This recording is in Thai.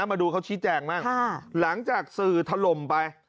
มาดูเขาชี้แจงมากครับค่ะหลังจากสื่อทำลมไป